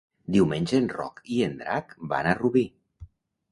Diumenge en Roc i en Drac van a Rubí.